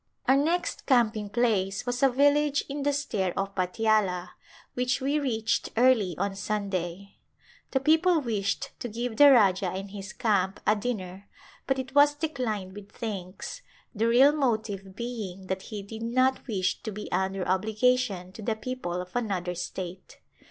Our next camping place was a village in the stare of Patiala, which we reached early on Sunday. The people wished to give the Rajah and his camp a din ner but it was declined with thanks, the real motive being that he did not wish to be under obligation to the people of another state.